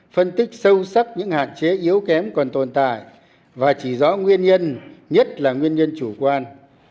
phân tích sâu sắc những hạn chế yếu kém còn tồn tại và chỉ rõ nguyên nhân nhất là nguyên nhân chủ quan